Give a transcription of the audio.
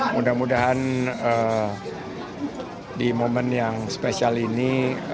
mudah mudahan di momen yang spesial ini